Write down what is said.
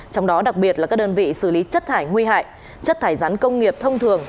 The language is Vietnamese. trong đó đặc biệt là các đơn vị xử lý chất thải nguy hại chất thải rắn công nghiệp thông thường